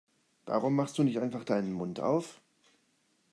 Warum machst du nicht einfach deinen Mund auf?